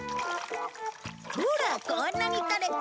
ほらこんなに捕れた。